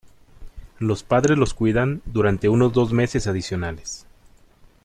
Los padres los cuidan durante unos dos meses adicionales.